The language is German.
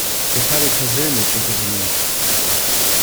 Ich habe persönlich interveniert.